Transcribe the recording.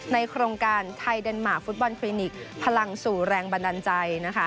ในโครงการไทยเดนมาร์ฟุตบอลคลีนิกพลังสู่แรงบันดันใจ